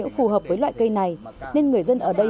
phù hợp với loại cây này nên người dân ở đây